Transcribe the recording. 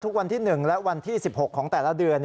ทุกวันที่หนึ่งและวันที่๑๖ของแต่ละเดือน